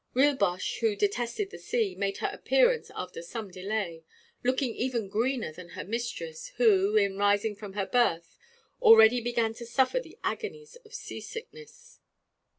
Rilboche, who detested the sea, made her appearance after some delay, looking even greener than her mistress, who, in rising from her berth, already began to suffer the agonies of sea sickness.